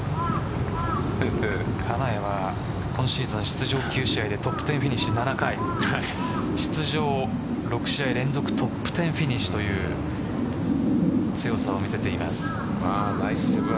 金谷は今シーズン出場９試合でトップ１０フィニッシュ７回出場６試合連続トップ１０フィニッシュという強さを見せています。